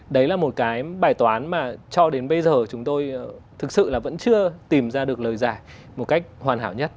đấy là một cái bài toán mà cho đến bây giờ chúng tôi thực sự là vẫn chưa tìm ra được lời giải một cách hoàn hảo nhất